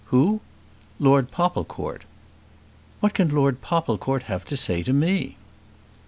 "Who?" "Lord Popplecourt." "What can Lord Popplecourt have to say to me?"